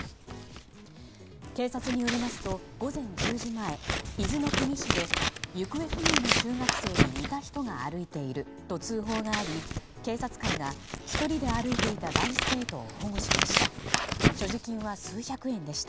警察によりますと午前１０時前伊豆の国市で行方不明の中学生に似た人が歩いていると通報があり警察官が１人で歩いていた男子生徒を保護しました。